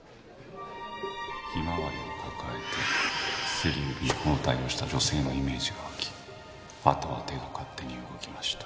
ひまわりを抱えて薬指に包帯をした女性のイメージが湧きあとは手が勝手に動きました。